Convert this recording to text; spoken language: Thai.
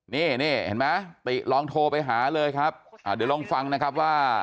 นี่นี่เห็นไหมติลองโทรไปหาเลยครับเดี๋ยวลองฟังนะครับว่า